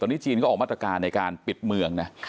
ตอนนี้จีนก็ออกมาตรการในการปิดเมืองนะ